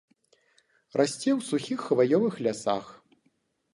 Расце ў сухіх хваёвых лясах.